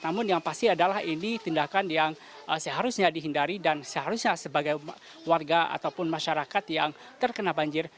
namun yang pasti adalah ini tindakan yang seharusnya dihindari dan seharusnya sebagai warga ataupun masyarakat yang terkena banjir